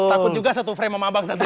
takut juga satu frame sama bang zadri